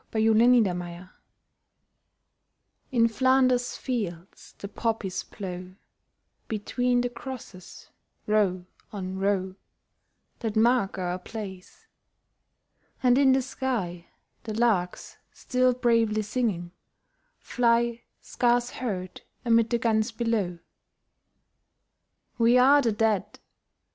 } IN FLANDERS FIELDS In Flanders fields the poppies grow Between the crosses, row on row That mark our place: and in the sky The larks still bravely singing, fly Scarce heard amid the guns below. We are the Dead.